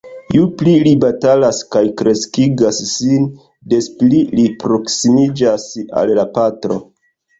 Ju pli li batalas kaj kreskigas sin, des pli li proksimiĝas al la patro.